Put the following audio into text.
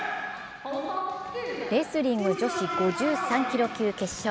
レスリング女子５３キロ級決勝。